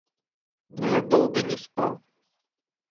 Но я долго не спал.